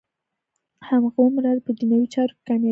هماغومره په دنیوي چارو کې کامیابېږي.